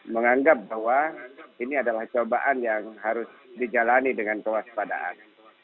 menganggap bahwa ini adalah cobaan yang harus dijalani dengan kewaspadaan